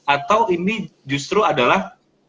atau ini justru adalah